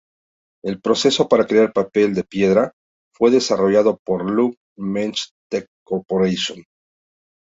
El proceso para crear Papel de Piedra® fue desarrollado por Lung Meng Tech Co.